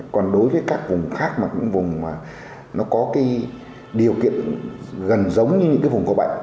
còn đối với các vùng khác mà những vùng mà nó có cái điều kiện gần giống như những cái vùng có bệnh